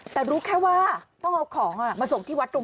แต่รู้แค่ว่าต้องเอาของมาส่งที่ไหนนะครับ